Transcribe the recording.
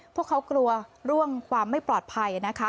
พวกเขากลัวเรื่องความไม่ปลอดภัยนะคะ